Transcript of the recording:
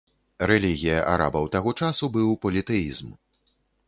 Рэлігія арабаў, таго часу, быў політэізм.